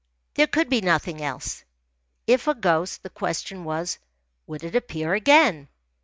There could be nothing else. If a ghost, the question was: would it appear again?